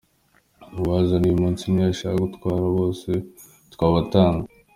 Uwaza n’uyu munsi n’iyo yashaka gutwara bose twabatanga.